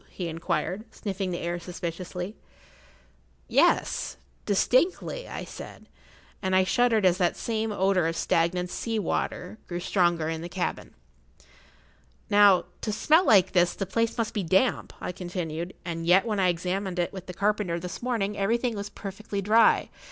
he inquired, sniffing the air suspiciously. "Yes—distinctly," I said, and I shuddered as that same odour of stagnant sea water grew stronger in the cabin. "Now, to smell like this, the place must be damp," I continued, "and yet when I examined it with the carpenter this morning everything was perfectly dry.